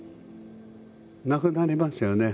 なくなりますよね